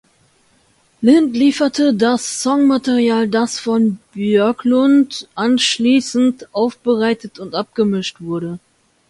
Lindh lieferte das Songmaterial, das von Björklund anschließend aufbereitet und abgemischt wurde.